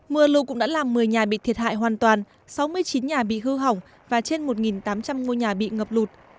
mưa lụt cũng đã làm một mươi nhà bị thiệt hại hoàn toàn sáu mươi chín nhà bị hư hỏng và trên một tám trăm linh ngôi nhà bị ngập lụt